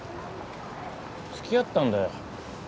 付き合ったんだよ。